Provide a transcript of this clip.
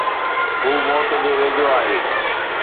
هو موت جي ويجهو آهي